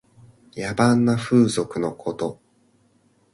野蛮な風俗のこと。